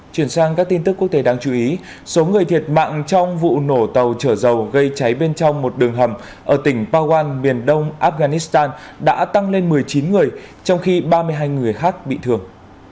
chuyển sang các tin tức quốc tế đáng chú ý số người thiệt mạng trong vụ nổ tàu trở dầu gây cháy bên trong một đường hầm ở tỉnh pawan miền đông afghanistan đã tăng lên một mươi chín người trong khi ba mươi hai người khác bị thương